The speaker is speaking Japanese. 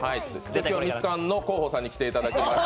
今日はミツカンの広報さんに来ていただきました。